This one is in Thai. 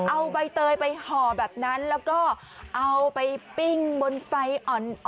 เอาใบเตยไปห่อแบบนั้นแล้วก็เอาไปปิ้งบนไฟอ่อน